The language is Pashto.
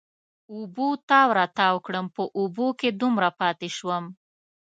اوبو تاو را تاو کړم، په اوبو کې دومره پاتې شوم.